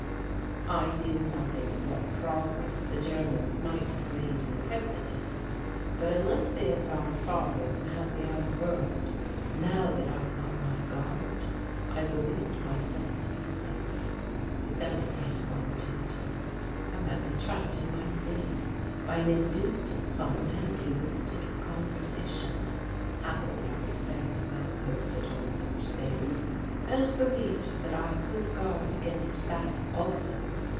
I knew nothing of what progress the Germans might have made with hypnotism, but unless they had gone further than had the outer world, now that I was on my guard, I believed myself to be safe. But there was yet one danger. I might be trapped in my sleep by an induced somnambulistic conversation. Happily I was fairly well posted on such things and believed that I could guard against that also.